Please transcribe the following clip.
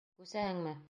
Күсәһеңме?